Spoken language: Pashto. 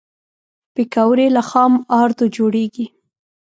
پکورې له خام آردو جوړېږي